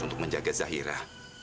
untuk menjaga zahira